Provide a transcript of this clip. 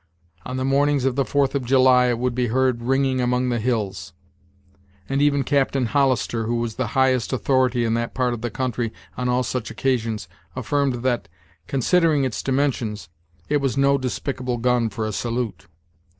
On the mornings of the Fourth of July it would be heard ringing among the hills; and even Captain Hollister, who was the highest authority in that part of the country on all such occasions, affirmed that, considering its dimensions, it was no despicable gun for a salute.